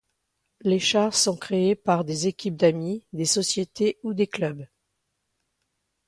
Les chars sont créés par des équipes d'amis, des sociétés ou des clubs.